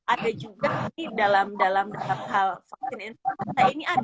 ada juga di dalam dalam hal vaksin influenza ini ada